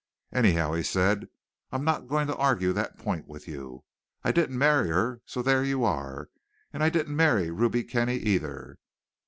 "Anyhow," he said, "I'm not going to argue that point with you. I didn't marry her, so there you are; and I didn't marry Ruby Kenny either.